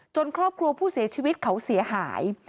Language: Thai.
ครอบครัวผู้เสียชีวิตเขาเสียหาย